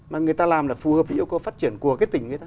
mà người ta làm là phù hợp với yêu cầu phát triển của cái tỉnh người ta